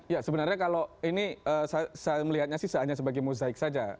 ya sebenarnya kalau ini saya melihatnya sih hanya sebagai mosaik saja